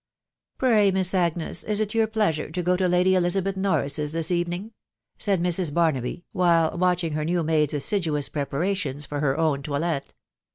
" Pray, Miss Agnes, is it your pleasure to go to Lady Elizabeth Norris's this evening ?" said Mrs. Barnaby, while watching her new maid's assiduous preparations for her own toilet.